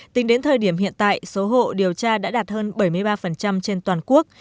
tính đến thời điểm hiện tại số hộ điều tra đã đạt hơn bảy mươi ba trên toàn quốc